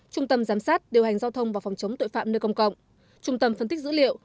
trung tâm giám sát điều hành giao thông và phòng chống tội phạm nơi công cộng trung tâm phân tích dữ liệu